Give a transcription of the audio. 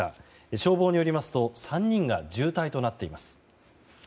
消防によりますと３人が重体となっています。